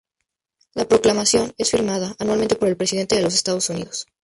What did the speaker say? La proclamación es firmada anualmente por el Presidente de los Estados Unidos.